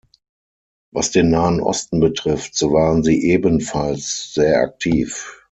Was den Nahen Osten betrifft, so waren Sie ebenfalls sehr aktiv.